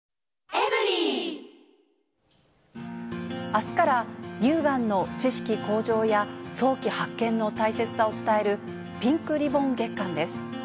あすから、乳がんの知識向上や早期発見の大切さを伝えるピンクリボン月間です。